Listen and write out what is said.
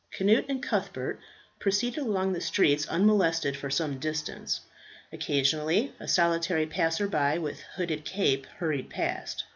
Cnut and Cuthbert proceeded along the streets unmolested for some distance. Occasionally a solitary passer by, with hooded cape, hurried past.